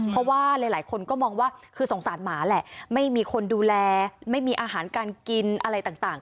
เพราะว่าหลายคนก็มองว่าคือสงสารหมาแหละไม่มีคนดูแลไม่มีอาหารการกินอะไรต่าง